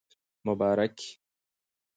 مبارکي